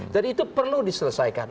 jadi itu perlu diselesaikan